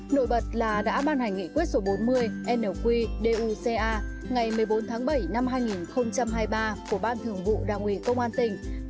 nội bật là đã ban hành nghị quyết số bốn mươi nqca ngày một mươi bốn tháng bảy năm hai nghìn hai mươi ba của ban thường vụ đảng ủy công an tỉnh